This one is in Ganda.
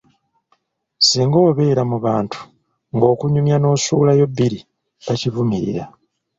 Singa obeera mu bantu ng'okunywa n'osulayo bbiri bakivumirira.